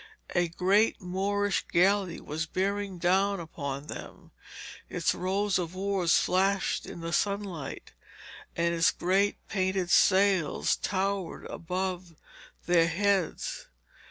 A great Moorish galley was bearing down upon them, its rows of oars flashed in the sunlight, and its great painted sails towered above their heads.